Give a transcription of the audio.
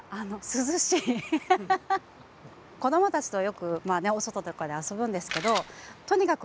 子どもたちとよくまあねお外とかで遊ぶんですけどとにかく